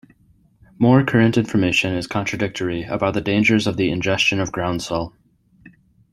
More current information is contradictory about the dangers of the ingestion of Groundsel.